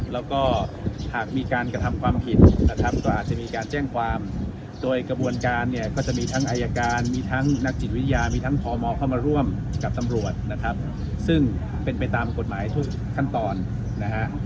แล้วก็หากมีการกระทำความผิดนะครับก็อาจจะมีการแจ้งความโดยกระบวนการเนี่ยก็จะมีทั้งอายการมีทั้งนักจิตวิทยามีทั้งพมเข้ามาร่วมกับตำรวจนะครับซึ่งเป็นไปตามกฎหมายทุกขั้นตอนนะฮะ